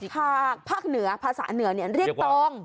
ภาคเหนือภาษาเหนือเรียกตอง